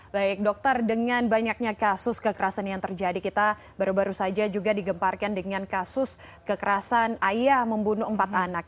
baik dokter dengan banyaknya kasus kekerasan yang terjadi kita baru baru saja juga digemparkan dengan kasus kekerasan ayah membunuh empat anak